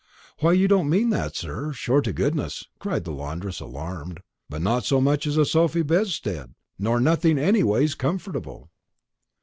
"Why, you don't mean that, sir, sure to goodness," cried the laundress, alarmed; "and not so much as a sofy bedstead, nor nothing anyways comfortable."